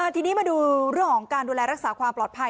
ทีนี้มาดูเรื่องของการดูแลรักษาความปลอดภัย